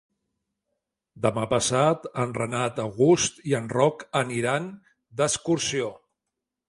Demà passat en Renat August i en Roc aniran d'excursió.